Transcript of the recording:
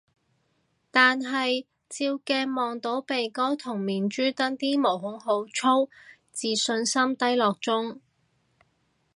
但係照鏡望到鼻頭同面珠墩啲毛孔好粗，自信心低落中